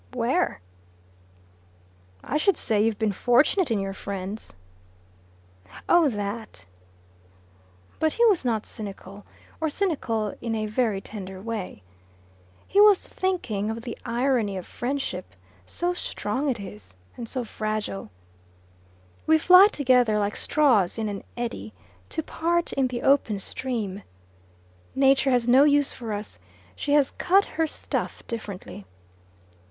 "Where?" "I should say you've been fortunate in your friends." "Oh that!" But he was not cynical or cynical in a very tender way. He was thinking of the irony of friendship so strong it is, and so fragile. We fly together, like straws in an eddy, to part in the open stream. Nature has no use for us: she has cut her stuff differently.